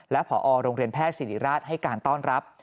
และผอโรงเรียนแพทย์สิริราชให้การต้อนรับ